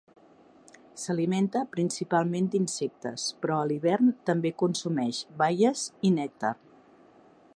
S'alimenta principalment d'insectes, però a l'hivern també consumeix baies i nèctar.